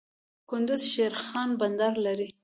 کندز د شیرخان بندر لري